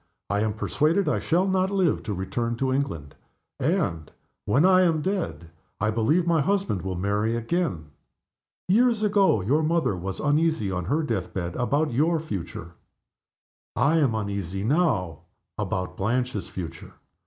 I am persuaded I shall not live to return to England; and, when I am dead, I believe my husband will marry again. Years ago your mother was uneasy, on her death bed, about your future. I am uneasy, now, about Blanche's future.